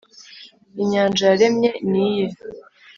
Inyanja yaremye ni iye